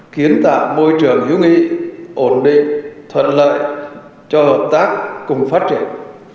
kiến tạo môi trường hữu nghị ổn định thuận lợi cho hợp tác cùng phát triển